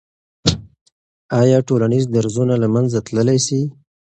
آیا ټولنیز درزونه له منځه تللی سي؟